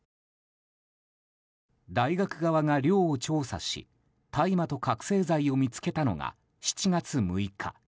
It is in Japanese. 大学側が寮を調査し大麻と覚醒剤を見つけたのが７月６日。